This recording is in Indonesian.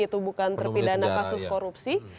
itu bukan terpidana kasus korupsi